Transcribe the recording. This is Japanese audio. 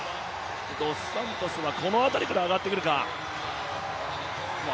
ドスサントスはこの辺りから上がってくるか。